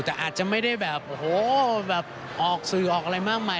แต่อาจจะไม่ได้แบบโอ้โหแบบออกสื่อออกอะไรมากมาย